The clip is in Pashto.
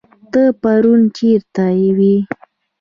ته پرون چيرته وي